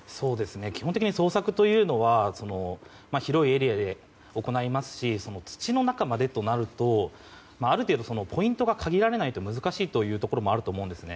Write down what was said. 基本的に捜索というのは広いエリアで行いますし土の中までとなるとある程度ポイントが限られないと難しいというところもあると思います。